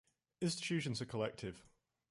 Institutions are collective.